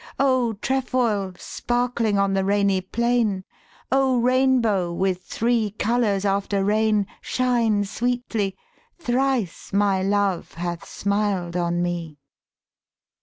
f "O trefoil, sparkling on the rainy plain O rainbow with three colors after rain, Shine sweetly: thrice my love hath smiled on me."